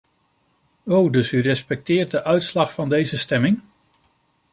Oh, dus u respecteert de uitslag van deze stemming?